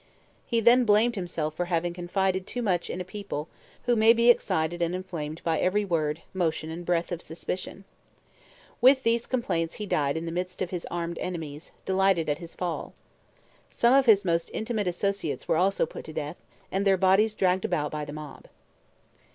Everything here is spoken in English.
He then blamed himself for having confided too much in a people who may be excited and inflamed by every word, motion, and breath of suspicion. With these complaints he died in the midst of his armed enemies, delighted at his fall. Some of his most intimate associates were also put to death, and their bodies dragged about by the mob.